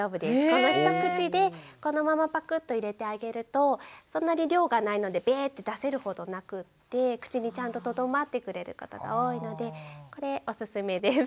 この一口でこのままパクッと入れてあげるとそんなに量がないのでベーッて出せるほどなくって口にちゃんととどまってくれることが多いのでこれおすすめです。